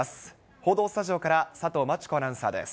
報道スタジオから佐藤真知子アナウンサーです。